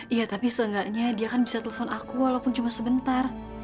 iya tapi seenggaknya dia kan bisa telepon aku walaupun cuma sebentar